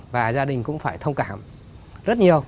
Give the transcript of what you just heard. và gia đình cũng phải thông cảm rất nhiều